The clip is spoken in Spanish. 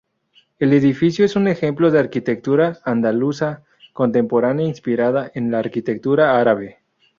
El edificio es un ejemplo de arquitectura andaluza contemporánea inspirada en la arquitectura árabe.